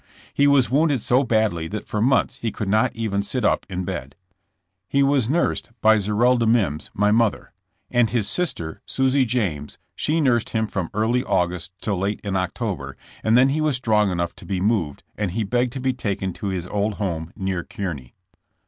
He was wounded so badly that for months he could not even sit up in bed. He was nursed by Zerelda Mimms, my mother, and his sister, Susie James, she nursed him from early August till late in October, and then he was strong enough to be moved and he begged to be taken to his old home near Kearney.